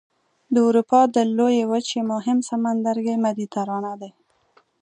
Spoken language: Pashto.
د اروپا د لویې وچې مهم سمندرګی مدیترانه دی.